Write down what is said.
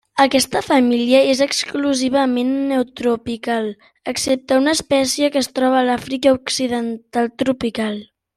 Aquesta família és exclusivament neotropical, excepte una espècie que es troba a l'Àfrica occidental tropical.